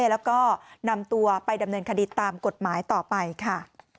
แล้วก็นำตัวไปดำเนินคดีตามกฎหมายต่อไปค่ะ